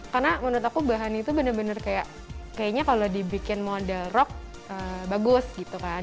karena menurut aku bahan itu bener bener kayak kayaknya kalau dibikin model rock bagus gitu kan